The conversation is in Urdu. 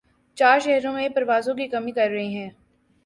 چار شہرو ں میں پروازوں کی کمی کر رہے ہیں